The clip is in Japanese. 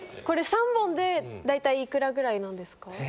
これ３本でだいたい幾らぐらいなんですか？